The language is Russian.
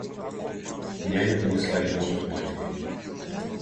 Няня понесла ребенка к матери.